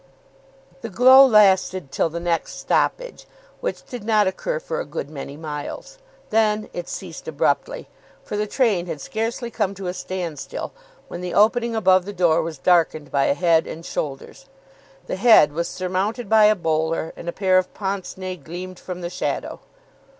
The glow lasted till the next stoppage, which did not occur for a good many miles. Then it ceased abruptly, for the train had scarcely come to a standstill when the opening above the door was darkened by a head and shoulders. The head was surmounted by a bowler, and a pair of pince nez gleamed from the shadow.